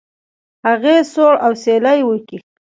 هغې سوړ اسويلى وکېښ.